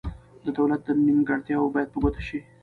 د دولت نیمګړتیاوې باید په ګوته شي.